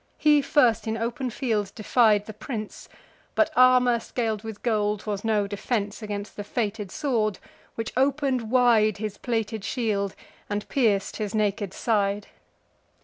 He first in open field defied the prince: But armour scal'd with gold was no defence Against the fated sword, which open'd wide His plated shield, and pierc'd his naked side.